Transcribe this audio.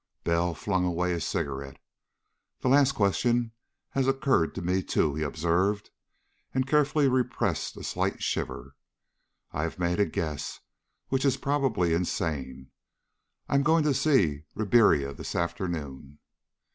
Bell flung away his cigarette. "That last question has occurred to me too," he observed, and carefully repressed a slight shiver. "I have made a guess, which is probably insane. I'm going to see Ribiera this afternoon."